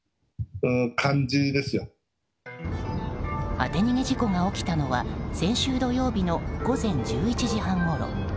当て逃げ事故が起きたのは先週土曜日の午前１１時半ごろ。